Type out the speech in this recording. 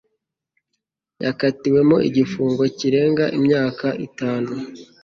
yakatiwemo igifungo kirenga imyaka itanu